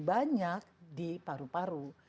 banyak di paru paru